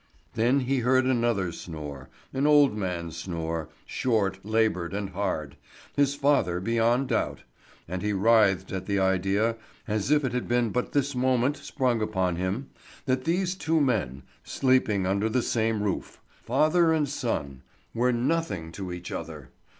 Then he heard another snore, an old man's snore, short, laboured, and hard, his father beyond doubt; and he writhed at the idea, as if it had but this moment sprung upon him, that these two men, sleeping under the same room—father and son—were nothing to each other!